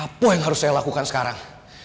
apa yang harus saya lakukan sekarang